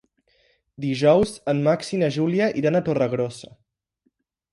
Dijous en Max i na Júlia aniran a Torregrossa.